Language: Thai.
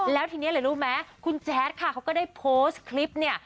แล้วทีนี้อะไรรู้ไหมคุณแจ๊ดค่ะเขาก็ได้โพสต์คลิปเนี่ย